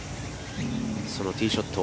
そのティーショット。